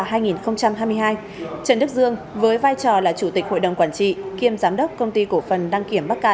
trần đức dương với vai trò là chủ tịch hội đồng quản trị kiêm giám đốc công ty cổ phần đăng kiểm bắc cạn